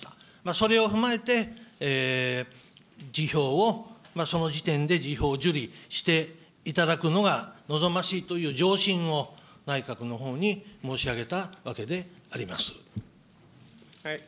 それを踏まえて、辞表を、その時点で辞表を受理していただくのが望ましいという上申を内閣のほうに申し上げたわけであります。